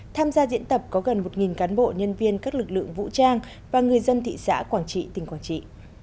tham gia diễn tập có gần một cán bộ nhân viên các lực lượng vũ trang và người dân thị xã quảng trị tỉnh quảng trị